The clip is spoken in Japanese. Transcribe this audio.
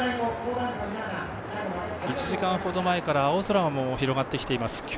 １時間ほど前から青空も広がってきています。